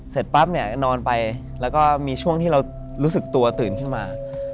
เสร็จปั๊บเนี่ยก็นอนไปแล้วก็มีช่วงที่เรารู้สึกตัวตื่นขึ้นมา